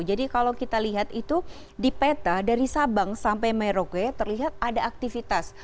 jadi kalau kita lihat itu di peta dari sabang sampai merauke terlihat ada aktivitas